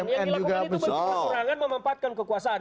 yang dilakukan itu bentuk kecurangan memempatkan kekuasaan